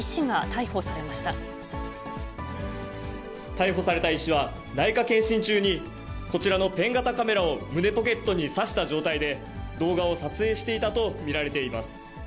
逮捕された医師は、内科検診中に、こちらのペン型カメラを胸ポケットに差した状態で、動画を撮影していたと見られています。